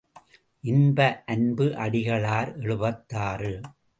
இன்ப அன்பு அடிகளார் எழுபத்தாறு.